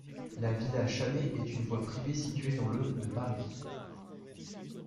La villa Chanez est une voie privée située dans le de Paris.